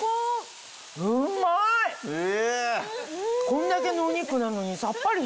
こんだけのお肉なのに。